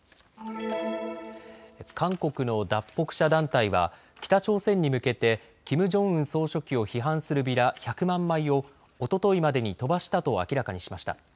韓国の脱北者団体は北朝鮮に向けてキム・ジョンウン総書記を批判するビラ１００万枚をおとといまでに飛ばしたと明らかにしました。